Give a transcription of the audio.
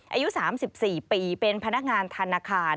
อายุ๓๔ปีเป็นพนักงานธนาคาร